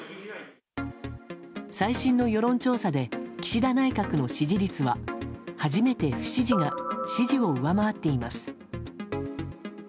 最新の世論調査で岸田内閣の支持率は初めて不支持が支持を上回っています。